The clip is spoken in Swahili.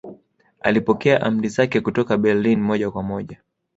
Alipokea amri zake kutoka Berlin moja kwa moja